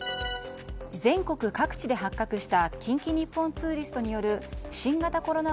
全国各地で発覚した近畿日本ツーリストによる新型コロナ